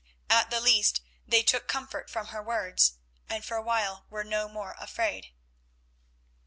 At the least they took comfort from her words, and for a while were no more afraid.